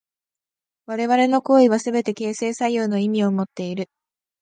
我々の行為はすべて形成作用の意味をもっている。